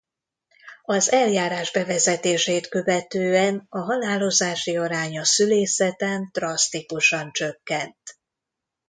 Az eljárás bevezetését követően a halálozási arány a szülészeten drasztikusan csökkent.